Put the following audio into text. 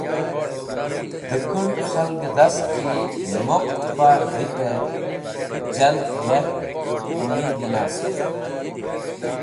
Dẽ kũnd̃ khakgẽ dhastki muq tẽpar vitẽ jal yark ũmidhi nast.